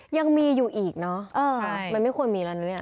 ยังมีอยู่อีกเนอะมันไม่ควรมีอะไรเลยอะ